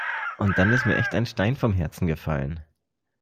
Und dann ist mir echt ein Stein vom Herzen gefallen.